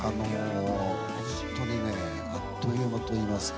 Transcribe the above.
本当にねあっという間といいますか。